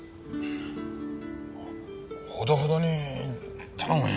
ほどほどに頼むよ。